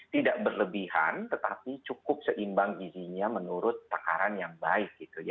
tidak berlebihan tetapi cukup seimbang izinnya menurut takaran yang baik